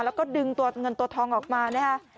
แล้วก็ดึงตัวเงินตัวทองออกมานะฮะ